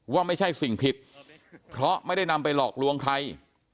ว่าไม่ใช่สิ่งผิดเพราะไม่ได้นำไปหลอกลวงใคร